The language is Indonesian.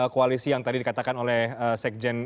koalisi yang tadi dikatakan oleh sekjen